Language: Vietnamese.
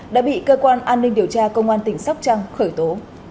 đã bị cơ quan an ninh điều tra công an tỉnh sóc trăng khởi tố